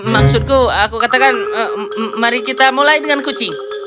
maksudku aku katakan mari kita mulai dengan kucing